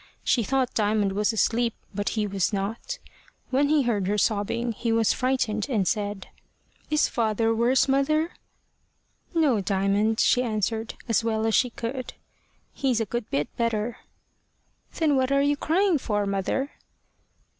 She thought Diamond was asleep, but he was not. When he heard her sobbing, he was frightened, and said "Is father worse, mother?" "No, Diamond," she answered, as well as she could; "he's a good bit better." "Then what are you crying for, mother?"